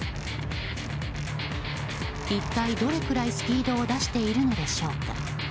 一体どれくらいスピードを出しているのでしょうか。